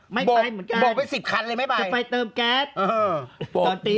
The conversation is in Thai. ไม่ไปเหมือนกันจะไปเติมแก๊สบวกไป๑๐คันเลยไม่ไป